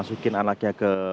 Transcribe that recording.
kalau masukin anaknya ke